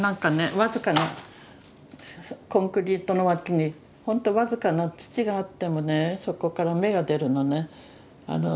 僅かなコンクリートの脇にほんと僅かな土があってもねそこから芽が出るのね。